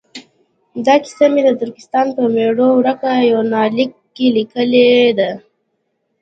دا کیسه مې د ترکستان په میرو ورکه یونلیک کې لیکلې ده.